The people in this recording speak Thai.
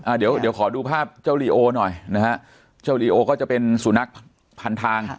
เดี๋ยวเดี๋ยวขอดูภาพเจ้าลีโอหน่อยนะฮะเจ้าลีโอก็จะเป็นสุนัขพันทาง